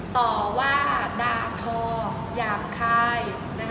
ต่อว่าด่าทอหยาบคาย